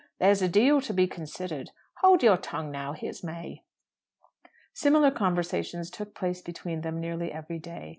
There's a deal to be considered. Hold your tongue, now; here's May." Similar conversations took place between them nearly every day.